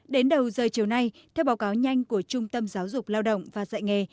đến đầu giờ chiều nay theo báo cáo nhanh của trung tâm giáo dục lao động và dạy nghề